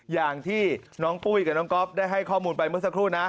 อย่างที่น้องปุ้ยกับน้องก๊อฟได้ให้ข้อมูลไปเมื่อสักครู่นะ